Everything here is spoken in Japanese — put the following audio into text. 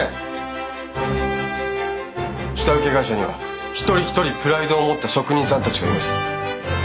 下請け会社には一人一人プライドを持った職人さんたちがいます。